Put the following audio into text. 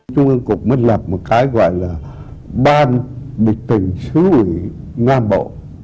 trung ương cục mất lập một cái gọi là ban bịch tỉnh sứ quỷ nam bộ